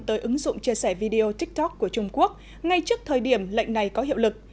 tới ứng dụng chia sẻ video tiktok của trung quốc ngay trước thời điểm lệnh này có hiệu lực